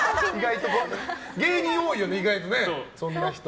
芸人多いよね、意外とねそんな人。